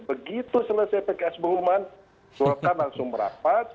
begitu selesai pks pengumuman golkar langsung merapat